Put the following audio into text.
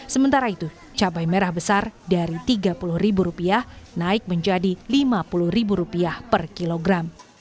sementara itu cabai merah besar dari rp tiga puluh naik menjadi rp lima puluh per kilogram